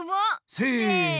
せの！